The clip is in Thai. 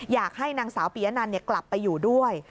อยากให้นางสาวปียะนันกลับไปอยู่ด้วย